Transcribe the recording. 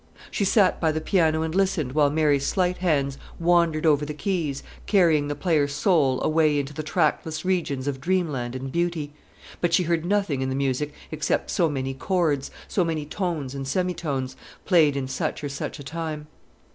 She sat by the piano and listened while Mary's slight hands wandered over the keys, carrying the player's soul away into trackless regions of dream land and beauty; but she heard nothing in the music except so many chords, so many tones and semitones, played in such or such a time.